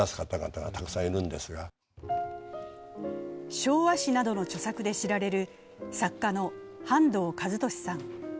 「昭和史」などの著作で知られる作家の半藤一利さん。